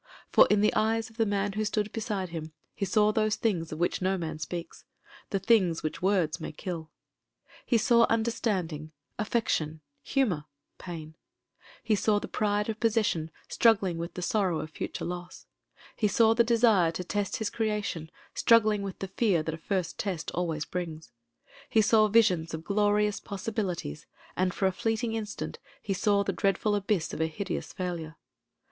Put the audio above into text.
For in the eyes of the man who stood beside him he saw those things of which no man speaks ; the things which words may kill. He saw understanding, affection, humour, pain; he saw the pride of possession struggling with the sorrow of future loss; he saw the desire to test his creation struggling with the fear that a first test always brings ; he saw visions of glorious possibilities, and for a fleeting instant he saw the dreadful abyss of a hideous failure.